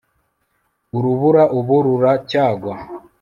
urubura ubu ruracyagwa